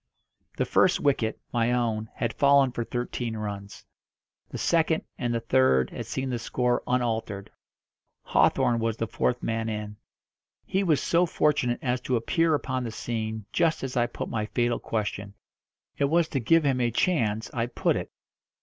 The first wicket my own had fallen for thirteen runs. The second, and the third, had seen the score unaltered. Hawthorn was the fourth man in. He was so fortunate as to appear upon the scene just as I put my fatal question it was to give him a chance I put it.